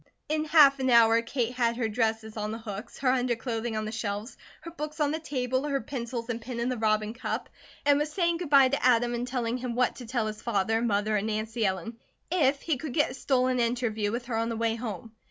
In half an hour Kate had her dresses on the hooks, her underclothing on the shelves, her books on the table, her pencils and pen in the robin cup, and was saying goodbye to Adam, and telling him what to tell his father, mother, and Nancy Ellen if he could get a stolen interview with her on the way home.